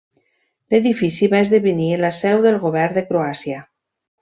L'edifici va esdevenir la seu del Govern de Croàcia.